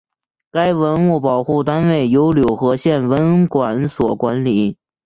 该文物保护单位由柳河县文管所管理。